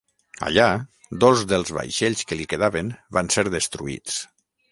Allà, dos dels vaixells que li quedaven van ser destruïts.